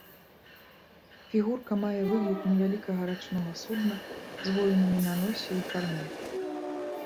Фігурка мае выгляд невялікага рачнога судна з воінамі на носе і карме.